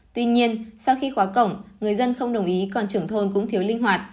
tuy nhiên sau khi khóa cổng người dân không đồng ý còn trưởng thôn cũng thiếu linh hoạt